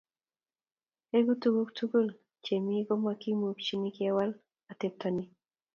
Eng tukuk tukul che mi komkimuchi kewal atepto ni